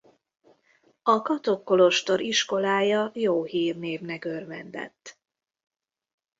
A Katok kolostor iskolája jó hírnévnek örvendett.